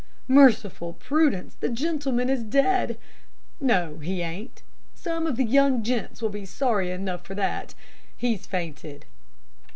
'Merciful Prudence, the gentleman is dead! No, he ain't some of the young gents will be sorry enough for that he's fainted.'